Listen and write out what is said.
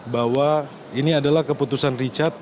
bahwa ini adalah keputusan richard